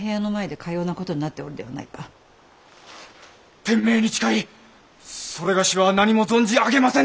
天命に誓いそれがしは何も存じ上げませぬ！